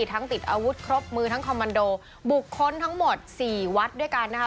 ทั้งติดอาวุธครบมือทั้งคอมมันโดบุคคลทั้งหมดสี่วัดด้วยกันนะคะ